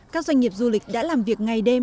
các doanh nghiệp du lịch đã làm việc ngày đêm